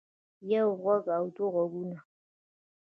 يو غوږ او دوه غوږونه